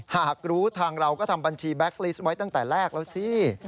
หากรู้ทางเราก็ทำบัญชีแก๊กลิสต์ไว้ตั้งแต่แรกแล้วสิ